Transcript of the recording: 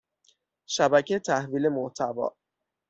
شبکه تحویل محتوا